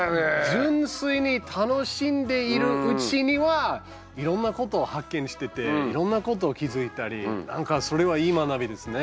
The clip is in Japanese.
純粋に楽しんでいるうちにはいろんなことを発見してていろんなこと気付いたりなんかそれはいい学びですね。